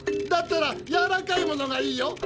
だったらやわらかい物がいいよ。